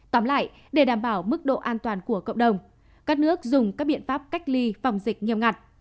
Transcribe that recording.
tóm lại để đảm bảo mức độ an toàn của cộng đồng các nước dùng các biện pháp cách ly phòng dịch nghiêm ngặt